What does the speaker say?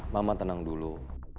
mama tenang dulu